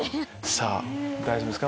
さぁ大丈夫ですか？